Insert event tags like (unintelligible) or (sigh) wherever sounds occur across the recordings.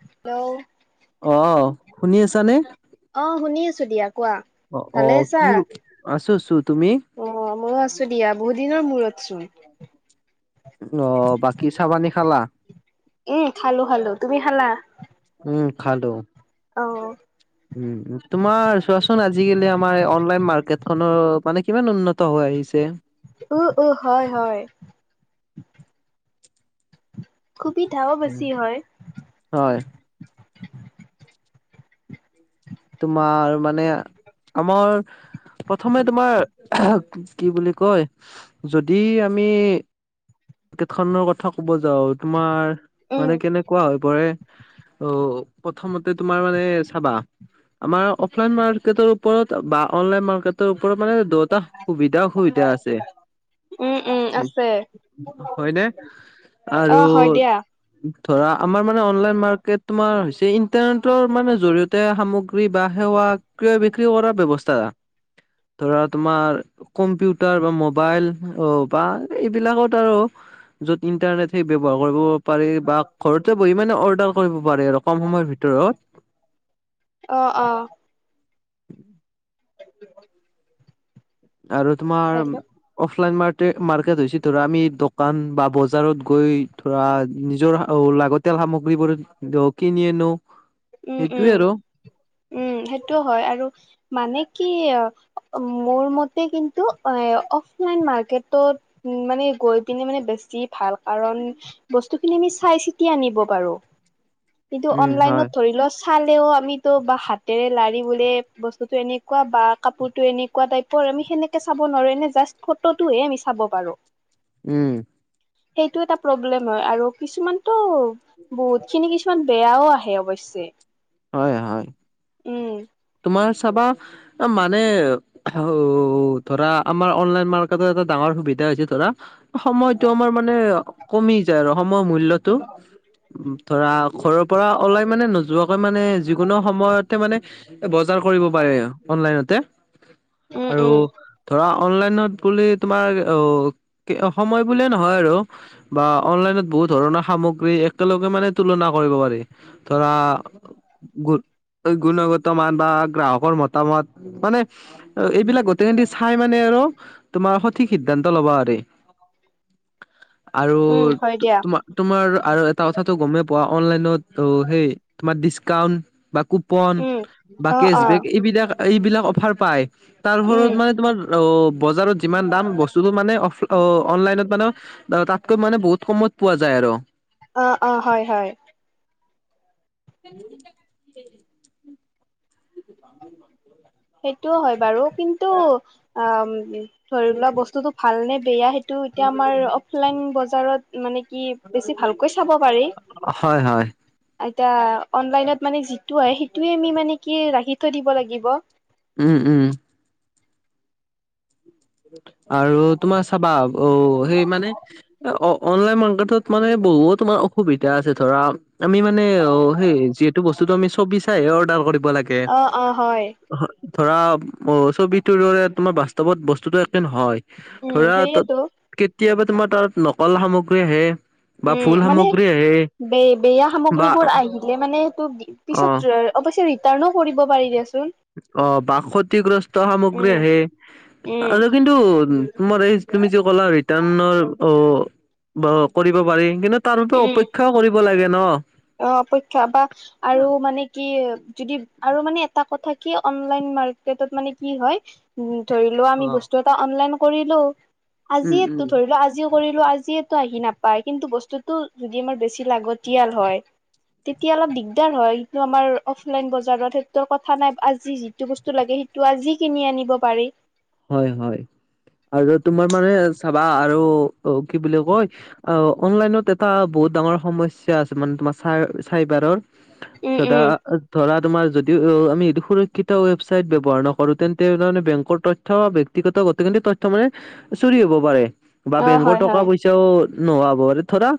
Hello? অ', শুনি আছা নে? অ', শুনি আছোঁ‌ দিয়া, কোৱা? ভালে অ'-অ' আছা কি (unintelligible) আছোঁ‌-আছোঁ‌, তুমি? অ', মই আছোঁ‌ দিয়া, বহুত দিনৰ মোৰত ছোন। অ', বাকী চাহ-পানী খালা? উম, খালোঁ‌-খালোঁ‌, তুমি খালা? উম, খালোঁ। অ'। উম, তোমাৰ চোৱাচোন, আজিকালি আমাৰ অনলাইন মাৰ্কেট খনৰ মানে কিমান উন্নত হৈ আহিছে। উম-উম, হয়-হয়। সুবিধাও বেছি হয়। হয়। তোমাৰ মানে আমাৰ প্ৰথমে তোমাৰ, কি বুলি কয়? যদি আমি দেশখনৰ কথা ক'ব যাওঁ, তোমাৰ উম মানে কেনেকুৱা হয়? কোৱাহে, অ, প্ৰথমতে তোমাৰ মানে চাবা আমাৰ অফলাইন মাৰ্কেটৰ ওপৰত বা অনলাইন মাৰ্কেটৰ ওপৰত মানে দুয়োটা সুবিধা অসুবিধা আছে। উম-উম, আছে। হয়নে? অ আৰু হয় দিয়া ধৰা আমাৰ মানে অনলাইন মাৰ্কেট তোমাৰ হৈছে ইন্টাৰনেটৰ মানে জৰিয়তে তে সেই সামগ্ৰী বা সেৱা ক্ৰয় বিক্ৰী কৰাৰ ব্যৱস্থা। ধৰা তোমাৰ কম্পিউটাৰ বা মোবাইল অ', বা এইবিলাকত আৰু য'ত ইন্টাৰনেট সেই ব্যৱহাৰ কৰিব পাৰি বা ঘৰতে বহি মানে অৰ্ডাৰ কৰিব পাৰে আৰু কম সময়ৰ ভিতৰত। অ'-অ'। আৰু তোমাৰ হেল্ল' অফলাইন মাৰ্ট-মাৰ্কেট হৈছে ধৰা আমি দোকান বা বজাৰত গৈ বা নিজৰ লাগতিয়াল সামগ্ৰীবোৰ কিনি আনোঁ‌। উম উম সেইটোৱে আৰু। উম' সেইটো হয়, আৰু। মানে কি, মোৰ মতে কিন্তু অফলাইন মাৰ্কেটত উম, মানে গৈ পিনে মানে বেছি ভাল, কাৰণ বস্তুখিনি আমি, চাই-চিতি আনিব পাৰোঁ‌। কিন্তু উম হয় অনলাইনত ধৰি লোৱা, চালেও আমিতো বা হাত হতেৰে লাৰি বোলে বস্তুতটো এনেকুৱা বা কাপোৰতো এনেকুৱা টাইপৰ আমি সেনেকে চাব নোৱাৰোঁ‌, এনে জাষ্ট ফটোটোহে আমি চাব পাৰোঁ‌। উম। সেইটো এটা প্ৰব্লেম হয়, আৰু কিছুমানটো বহুত খিনি কিছুমান বেয়াও আহে অৱশ্যে। হয় হয়, উম তোমাৰ চাবা মানে অ' ধৰা আমাৰ অনলাইন মাৰ্কেটৰ এটা ডাঙৰ সুবিধা হৈছে ধৰা সময়টো আমাৰ মানে কমি যায় আৰু সময়ৰ মূল্যটো ধৰা ঘৰৰ পৰা ওলাই মানে নোযোৱা গৈ মানে যিকোনো সময়তে মানে বজাৰ কৰিব পাৰে অনলাইনতে। উম আৰু উম ধৰা অনলাইনত বুলি তোমাৰ অ' সময় বুলিয়ে নহয় আৰু। বা অনলাইনত বহুত ধৰণৰ সামগ্ৰী একেলগে মানে তুলনা কৰিব পাৰি ধৰা গু-গুণগত মান বা গ্ৰাহকৰ মতামত মানে এইবিলাক গোটেই সটি চাই মানে আৰু তোমাৰ সঠিক সিদ্ধান্ত ল'ব পাৰি। আৰু উম হয় দিয়া তোমাৰ তোমাৰ আৰু এটা কথাটো গমেই পোৱা অনলাইনত অ' সেই তোমাৰ ডিচকাউন্ট বা কো পন উম বা অ অ কেছবেক এইবিলাক এইবিলাক অফাৰ পায় উম তাৰওপৰত মানে তোমাৰ অ' বজাৰত যিমান দাম বস্তুটো মানে অফ অ' অনলাইনত মানে তাত কৈ মানে বহুত কমত পোৱা যায় আৰু। অ', অ' হয় হয়। (unintelligible) সেইটোও হয় বাৰু কিন (inaudible) আ, ধৰি লোৱা বস্তুটো ভাল নে বেয়া সেইটো এতিয়া আমাৰ অফলাইন বজাৰত মানে কি বেছি ভালকৈ চাব পাৰি। হয় হয়। এতয়া অনলাইনত মানে যিটো হয় সেইটোয়ে আমি মানে কি ৰাখি থৈ দিব লাগিব। উম, উম। আৰু তোমাৰ চাবা অ' সেই মানে অ' অনলাইন মাৰ্কেটত মানে বহুত তোমাৰ অসুবিধা আছে ধৰা আমি মানে অ' সেই যিহেতু বস্তুটো আমি চবি চাইহে অৰ্ডাৰ কৰিব লাগে। অ', অ', হয় ধৰা অ' ছবিটোৰ দৰে তোমাৰ বাস্তৱত ব টোটো একে নহয় উম ধৰা তাত সেইয়েতো কেতিয়াবা তোমাৰ তাত নকল সামগ্ৰী আহে। বা উম, ভুল মানে সামগ্ৰী আহে বে-বেয়া বা সামগ্ৰীবোৰ আহিলে মানে তোৰ অ পিছত অৱশ্যে ৰিটাৰ্ণো কৰিব পাৰি দিয়াচোন। অ' বা সতিগ্ৰস্ত উম, সামগ্ৰী আহে উম, আৰু কিন্তু তোমাৰ এই তুমি যে ক'লা ৰিটাৰ্ণৰ অ' বা কৰিব পাৰি কিন্তু তাৰ বাবে উম অপেক্ষাও কৰিব লাগে ন'? অ' অপেক্ষা বা আৰু মানে কি যদি আৰু মানে এটা কথা কি অনলাইন মাৰ্কেটত মানে কি হয় উম, ধৰি লোৱা আমি অ'। বস্তু এটা অনলাইন কৰিলোঁ উম আজিয়ে উম ধৰি লোৱা আ যি কৰিলোঁ আজিয়েতো আহি নাপায় কিন্তু বস্তুটো যদি আমাৰ বেছি লাগতিয়াল হয়। তেতিয়া অলপ দিগদাৰ হয় কিন্তু আমাৰ অফলাইন বজাৰত সেই কথা নাই আজি যি যিটো বস্তু লাগে সেইটো আজি কিনি আনিব পাৰি। হয় হয় আৰু তোমাৰ মানে চাবা আৰু অ' কি বুলি কয় অ' অনলাইনত এটা বহুত ডাঙৰ সমস্যা আছে মানে তোমাৰ চা-চাইবাৰৰ। উম চদা উম ধৰা তোমাৰ যদি অ' আমি এইটো সুৰক্ষিত ৱেবচাইট ব্যৱহাৰ নকৰোঁ তেন্তে (unintelligible) বেংকৰ তথ থ ব্যক্তিগত গোটেইখিনি তথ্য মানে চুৰি হ'ব পাৰে বা অ বেংৰ হয় টকা হয় পই চও নোহাব পাৰে ধৰা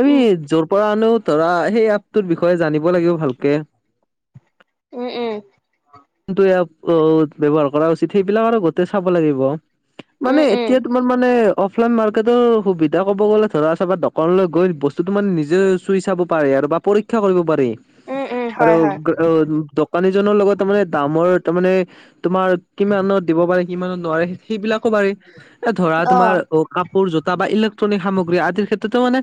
আমি উম য'ৰ পৰা আনো ধৰা সেই এপ টোৰ বিষয়ে জানিব লাগিব ভালকে। উম উম। কোনটোৱে হক অ ব্যৱহাৰ কৰা উচিত। সেইবিলাক আৰু গোতেই চাব লাগিব। মানে উম উম এতিয়া তোমাৰ মানে, অফলাইন মাৰ্কেটৰ সুবিধা ক'ব গ'লে, ধৰা ছাবা দকানলৈ গৈ ব তো মানে নিজে চুই চাব পাৰে আৰু বা পৰীক্ষা কৰিব পাৰি উম উম আৰু। হয় হয় অ দোকানীজনৰ লগত তা মানে দামৰ তামানে তোমাৰ। কিমানত দিব পাৰে, কিমানত নোৱাৰে। সেইবিলাকো পাৰি। এ ধৰা তোমাৰ অ কা সৌ জোতা বা ইলেক্ট্ৰনিক সামগ্ৰী আদিৰ ক্ষেত্ৰতো মানে।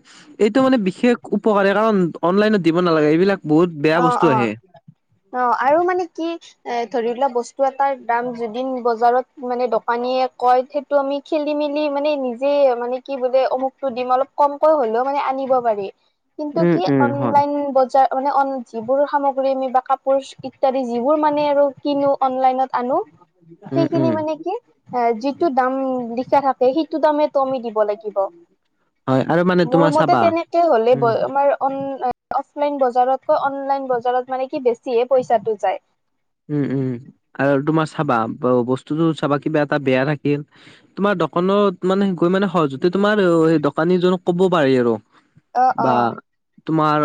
এইটো মানে বিশেষ উপকাৰে কাৰণ অনলাইনত দিব নালাগে। এইবিলাক বহুত বেয়া অঁ বস্তু অঁ আহে অঁ। আৰু মানে কি, এ ধৰি লোৱা বস্তু এটাৰ দাম য এদিন বজাৰত মানে দোকানীয়ে কয়। সেইটো আমি খেলি মেলি মানে নিজে মানে কি বোলে অমুক অলপ কমকৈ হলেও মানে আনিব পাৰি। কিন্তু উম কি উম হয় অনলাইন বজাৰ মানে অন যিবোৰ সামগ্ৰী আমি বা কাপোৰ ইত্যাদি, যিবোৰ মানে আৰু কিনো অনলাইনত আনো। উম সেইখিনি উম মানে কি? এ যিটো দাম লিখা থাকে। সেইটো দামে ত আমি দিব লাগ গিব। হয় আৰু মানে মোৰ তোমাৰ মতে চাবা তেনেকে হলে উম (unintelligible) আমাৰ অন অফলাইন বজাৰতকৈ অনলাইন বজাৰত মানে কি, বেছিহে পইচাটো যায়। উম উম উম। আৰু তোমাৰ চাবা বস্তুটো চাবা, কিবা এটা বেয়া থাকিল। তোমাৰ দোকনত মানে গৈ মানে সহজ টো তোমাৰ সেই দোকানীজনক ক'ব পাৰি আৰু অ বা অ তোমাৰ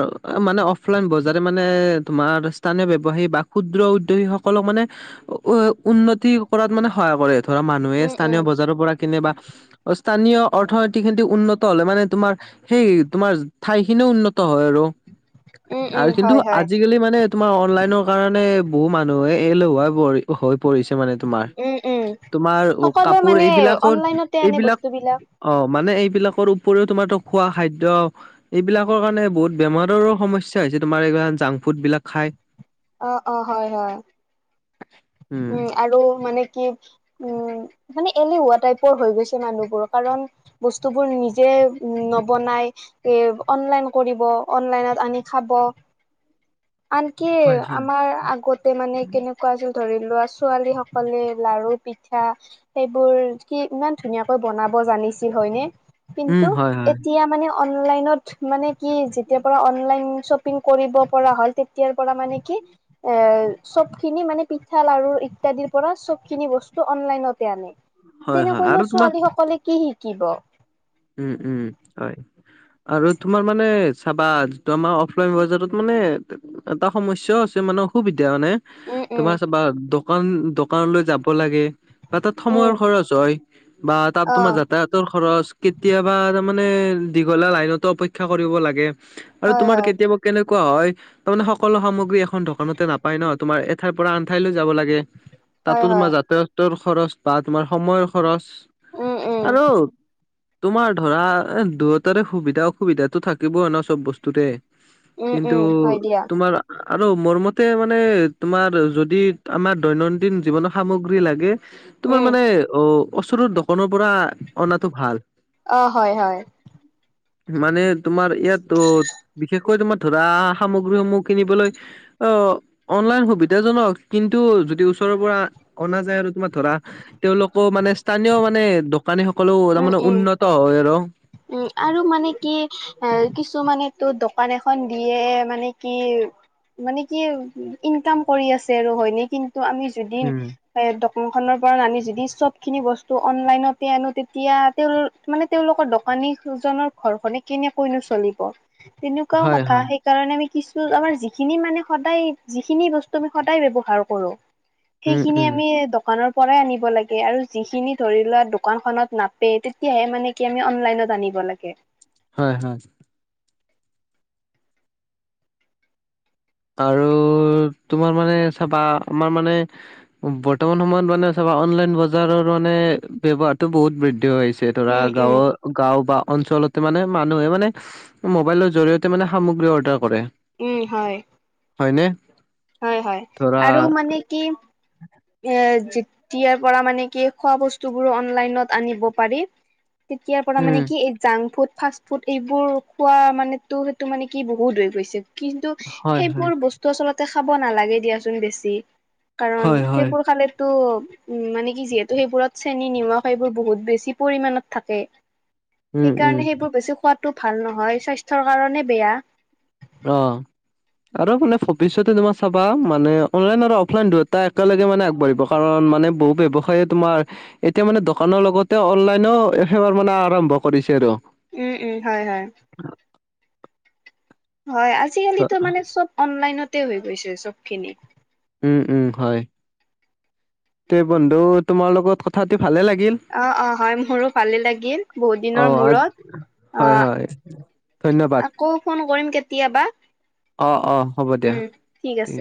মানে অফলাইন বজাৰে মানে তোমাৰ স্থানীয় ব্যৱসায়ী বা ক্ষুদ্ৰ টো ই সকলক মানে উন্নতি কৰাত মানে সহায় কৰে। ধৰা, মানুহে উম স্থানীয় উম বজাৰ পৰা কেনেবা স্থানীয় অৰ্থনীতি খিনতি উন্নত হলে মানে তোমাৰ সেই তোমাৰ ঠাইখিনিও উন্নত হয় আৰু। উম উম আৰু কিন্তু হয় হয় আজিকালি মানে তোমাৰ অনলাইন কাৰণে বহু মানুহে এল (unintelligible) হৈ পৰিছে মানে তোমাৰ। উম উম তোমাৰ সকলো কাপোৰ মানে এইবিলাকৰ অনলাইনতে আনে এইবিলাক বস্তুবিলাক অ। মানে এইবিলাকৰ উপৰিও তোমাৰ ত খোৱা খাদ্য। এইবিলাকৰ কাৰণে বহুত বেমাৰৰো সমস্যা হৈছে। তোমাৰ (unintelligible) জাংক ফুডবিলাক খায়। অঁ অঁ, হয় হয়। (unintelligible) উম আৰু মানে কি? উম মানে এলেহুৱা টাইপৰ হৈ গৈছে মানুহবোৰ কাৰণ বস্তুবোৰ নিজে নবনাই। এ অনলাইন কৰিব, অনলাইনত আনি খাব। আনকি হয় হয়। আমাৰ আগতে মানে কেনেকুৱা (unintelligible) ধৰি লোৱা ছোৱালীসকলে লাৰু পিঠা। সেইবোৰ কি ইমান ধুনীয়াকৈ বনাব জানিছিল। হয়নে? উম কিন্তু হয় হয় এতিয়া মানে অনলাইনত মানে কি যেতিয়া পৰা অনলাইন শ্বপিং কৰিব পৰা হ'ল। তেতিয়াৰ পৰা মানে কি? এ চব খিনি মানে পিঠা, লাৰু ইত্যাদিৰ পৰা চব খিনি বস্তু অনলাইনতে আনে। হয় হয় আৰু তেনেকৈনো তোমাৰ ছোৱালী সকলে কি শিকিব? উম উম, হয়। আৰু তোমাৰ মানে চাবা যিটো আমাৰ অফলাইন বজাৰত মানে। এটা সমস্যাও আছে। মানুহ সুবিধা মানে, উম উম তোমাৰ চাবা দোকান দোকানলৈ যাব লাগে। বা তাত উম সময়ৰ খৰচ হয় বা তাত অ তোমাৰ যাতায়াতৰ খৰচ। কেতিয়াবা তাৰ মানে দীঘলীয়া লাইনতো অপেক্ষা কৰিব লাগে আৰু হয় তোমাৰ হয় কেতিয়াবা। কেনেকুৱা হয়? তাৰ মানে সকলো সামগ্ৰী এখন দোকানতে নাপায় ন তোমাৰ এঠাইৰ পৰা আন ঠাইলৈ যাব লাগে। হয় তাতো হয় তোমাৰ যাতায়তৰ খৰচ বা তোমাৰ সময়ৰ খৰচ উম উম আৰু তোমাৰ ধৰা এ দুয়োটাৰে সুবিধা অসুবিধাটো থাকিবই ন চব বস্তুতে। উম কিন্তু উম হয় দিয়া তোমাৰা আৰু মোৰ মতে মানে তোমাৰ যদি আমাৰ দৈনন্দিন জীৱনত সামগ্ৰী লাগে তোমাৰ উম মানে অ ওচৰৰ দোকানৰ পৰা আনাটো ভাল অ হয় হয়। মানে তোমাৰ ইয়াত ওত বিশেষ কৈ তোমাত ধৰা সামগ্ৰীসমূহ কিনিবলৈ অ অনলাইন সুবিধাজনক কিন্তু যদি ওচৰৰ পৰা অনা যায় আৰু তোমাৰ ধৰা তেওঁলোকো মানে স্থানীয় মানে দোকানী সকলও উম, উম, উন্নত হয় আৰ। উম! আৰু মানে কি এঁ কিছুমানে টো দোকান এখন দিয়ে মানে কি মানে কি উ ইনকাম কৰি আছে আৰু হয়নে কিন্তু আমি যুদি উম এ দোকান খনৰ পৰা নানি যদি চব খিনি বস্তু অনলাইনতে আনো তেতিয়া তেওঁল মানে তেওঁওলোকৰ দ দোকানীজনৰ ঘৰখনে কেনেকৈ নো চলিব তেনেকুৱাও হয় কথা হয় সেই কাৰণে আমি কিছু আমাৰ যিখিনি মানে সদায় যিখিনি বস্তু আমি সদায় ব্যৱহাৰ কৰো উম সেইখিনি উম আমি দক দোকানৰ পৰাই আনিব লাগে আৰু যিখিনি ধৰি লোৱা দোকানখনত নাতে তেতিয়ে মানে কি আমি অনলায়েন নত আনিব লাগে। হয় হঁয়। আৰু তোমাৰ মানে চাবা আমাৰ মানে বৰ্তমান সময়ত মানে চাবা অনলাইন বজাৰৰ মানে ব্যৱহাৰটো বহুত বৃদ্ধি হৈ আইছে। টে ধৰা উম উম গাঁৱত গাঁও বা অঞ্চলতে মানে মানুহে মানে মোবাইলৰ জৰিয়তে মানে সামগ্ৰী অৰ্ডাৰ কৰে। উম! হয়। হয়নে। হয়! হয়! ধৰা আৰু মানে কি এঁ যিত যেতিয়াৰ পৰা মানে কি খোৱা বস্তু বোৰ অনলাইনত আনিব পাৰি তেতিয়াৰ পৰা মানে উম কি এই জাং ফুট ফাষ্ট ফুড এইবোৰ খোৱা মানো টো সেইটো মানে কি বহুত গৈছে কিন্তু হয় হয় সেইবোৰ বস্তু তো আচলতে খাব নালাগে দিয়াচোন বেছি কাৰণ হয় হয় সেইবোৰ খালে ত' উ মানে কি যিহেতু সেইবোৰত চেনী নিমখ এইবোৰ বহুত বেছি পৰিমানত থাকে। উম উম সেইকাৰণে সেইবোৰ বেছি খোৱাতো ভাল নহয় স্বাস্থ্যৰ কাৰণে বেয়া। অঁ অ। আৰ মানে ভৱিষ্যতে তোমাৰ চাবা মানে অনলাইন আৰু অফলাইন দুয়োটা একেলগে মানে আগবাঢ়িব। কাৰণ মানে বহু ব্যৱসায়ে তোমাৰ এতিয়া মানে দোকানৰ লগতে অনলাইনও সেৱাৰ মানে আৰম্ভ কৰিছে আৰু। উম! উম! হয় হয়। হয় আজিকালিতো মানে চব অনলাইনতে হৈ গৈছে চব খিনি। উম! উম! হয় তে বন্ধু তোমাৰ লগত কথা পাতি ভালে লাগিল। অঁ অঁ হয় মোৰো ভালে লাগিল বহুত দিনৰ অ' আজ মূৰত অঁ। (unintelligible) আকৌ ফোন কৰিম কেতিয়াবা। অঁ অঁ হ'ব দিয়া উম ঠিক তি। আছে।